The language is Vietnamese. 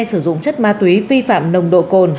sử dụng chất ma túy vi phạm nồng độ cồn